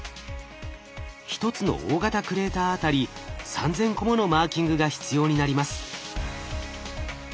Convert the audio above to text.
一つの大型クレーターあたり３，０００個ものマーキングが必要になります。